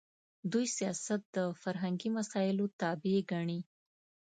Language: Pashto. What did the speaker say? دوی سیاست د فرهنګي مسایلو تابع ګڼي.